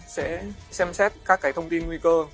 sẽ xem xét các cái thông tin nguy cơ